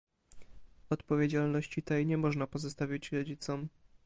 Odpowiedzialności tej nie można pozostawić rodzicom